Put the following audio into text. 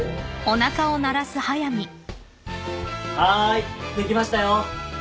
はいできましたよ。